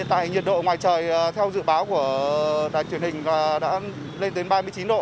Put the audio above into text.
tại nhiệt độ ngoài trời theo dự báo của đài truyền hình và đã lên đến ba mươi chín độ